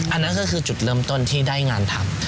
อันนั้นก็คือจุดเริ่มต้นที่ได้งานทำ